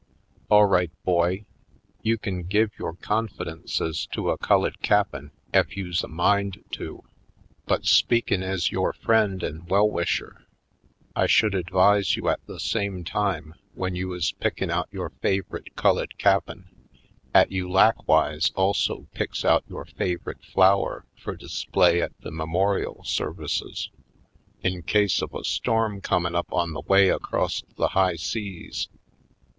Ail right, boy, you kin give yore con Afric Shores 155 fidences to a cullid cap'n ef you's a mind to. But, speakin' ez yore friend an' well wisher I should advise you at the same time w'en you is pickin' out your fav'rit' cullid cap'n *at you lakwise also picks out yore fav'rit' flower fur display at the memorial services in case of a storm comin' up on the way acrost the high seas.